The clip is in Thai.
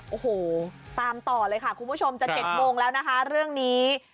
โอ้โหตามต่อเลยค่ะคุณผู้ชมจะ๗โมงแล้วนะคะเรื่องนี้